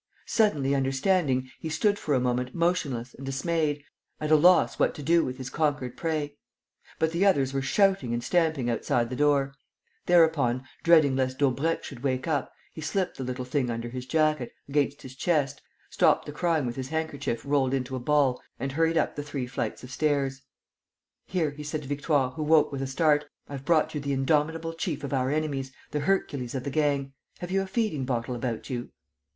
Suddenly understanding, he stood for a moment motionless and dismayed, at a loss what to do with his conquered prey. But the others were shouting and stamping outside the door. Thereupon, dreading lest Daubrecq should wake up, he slipped the little thing under his jacket, against his chest, stopped the crying with his handkerchief rolled into a ball and hurried up the three flights of stairs. [Illustration: "Here, I've brought you the indomitable chief of our enemies. Have you a feeding bottle?"] "Here," he said to Victoire, who woke with a start. "I've brought you the indomitable chief of our enemies, the Hercules of the gang. Have you a feeding bottle about you?"